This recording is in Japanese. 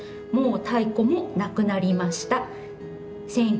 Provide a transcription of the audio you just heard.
もう太鼓もなくなりました。